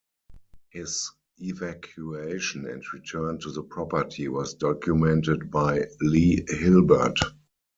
His evacuation and return to the property was documented by Leigh Hilbert.